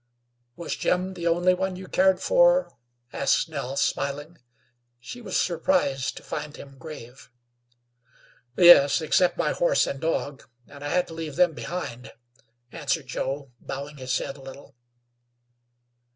"Was Jim the only one you cared for?" asked Nell, smiling. She was surprised to find him grave. "Yes, except my horse and dog, and I had to leave them behind," answered Joe, bowing his head a little.